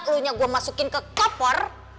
lu nya gue masukin ke koper